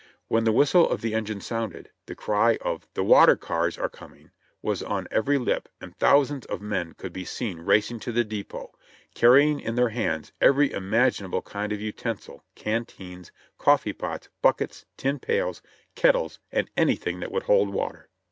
When the whistle of the engine sounded, the cry of "the water cars are coming!" was on every lip and thousands of men could be seen racing to the depot, carrying in their hands every imag inable kind of utensil, canteens, coffee pots, buckets, tin pails, kettles and anything that would hold water.